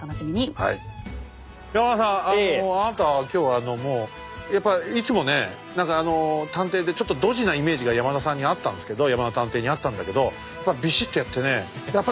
山田さんあなた今日あのもうやっぱいつもね何か探偵でちょっとドジなイメージが山田さんにあったんですけど山田探偵にあったんだけどやっぱりビシッとやってねいや